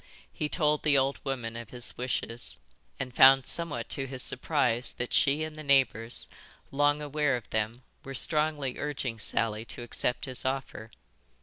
He told the old woman of his wishes, and found somewhat to his surprise that she and the neighbours, long aware of them, were strongly urging Sally to accept his offer.